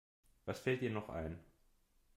Was fällt dir noch ein?